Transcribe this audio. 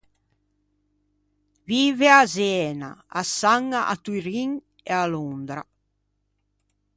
Vive à Zena, à Saña, à Turin e à Londra.